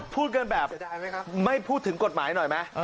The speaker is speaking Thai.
พูดกันแบบไม่พูดถึงกฎหมายหน่อยไหม